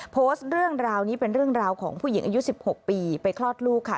โพสต์เรื่องราวนี้เป็นเรื่องราวของผู้หญิงอายุ๑๖ปีไปคลอดลูกค่ะ